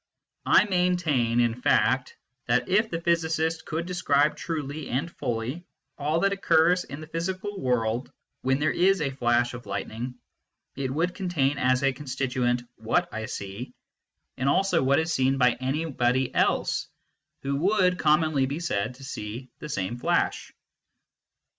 I maintain, in fact, that if the physicist could describe truly and fully all that occurs in the physical world when there is a flash of lightning, it would contain as a constituent what I see, and also what CONSTITUENTS OF MATTER 131 is seen by anybody else who would commonly be said to see the same flash.